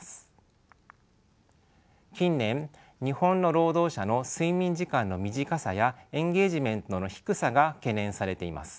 近年日本の労働者の睡眠時間の短さやエンゲージメントの低さが懸念されています。